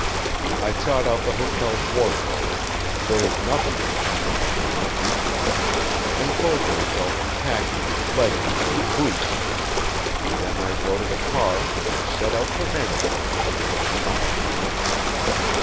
I sought out the hotel's wardrobe there is nothing the Antlers will not do for you and clothed myself in khaki, leggings, and boots. Then I ordered a car and set out for Manitou, at the foot of the mountain.